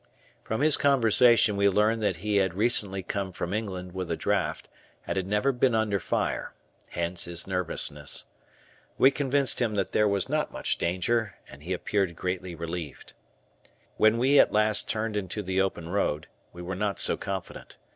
From his conversation we learned that he had recently come from England with a draft and had never been under fire, hence, his nervousness. We convinced him that there was not much danger, and he appeared greatly relieved. When we at last turned into the open road, we were not so confident.